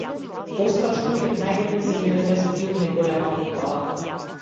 Пострашно и од најголем земјотрес и од најголема поплава!